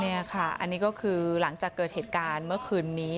นี่ค่ะอันนี้ก็คือหลังจากเกิดเหตุการณ์เมื่อคืนนี้